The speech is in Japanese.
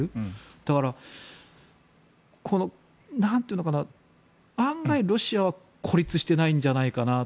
だから、案外ロシアは孤立していないんじゃないかなと。